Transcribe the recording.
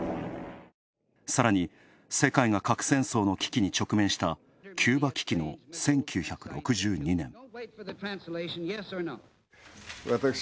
さらに世界が核戦争の危機に直面したキューバ危機の１９６２年。